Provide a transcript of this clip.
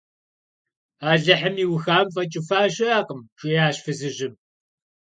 - Алыхьым иухам фӀэкӀыфа щыӀэкъым, – жиӀащ фызыжьым.